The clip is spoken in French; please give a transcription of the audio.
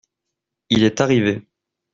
Il est arrivé.